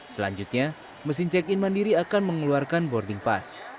selanjutnya mesin check in mandiri akan mengeluarkan boarding pass